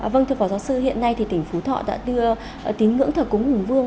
vâng thưa phó giáo sư hiện nay thì tỉnh phú thọ đã đưa tín ngưỡng thờ cúng hùng vương